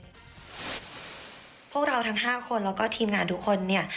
แล้วพวกเราทางห้าคนแล้วก็ทีมงานทุกคนเนี้ย